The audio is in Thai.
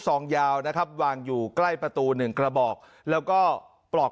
ซองยาวนะครับวางอยู่ใกล้ประตูหนึ่งกระบอกแล้วก็ปลอก